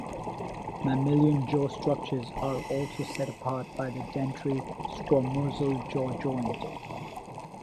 Mammalian jaw structures are also set apart by the dentary-squamosal jaw joint.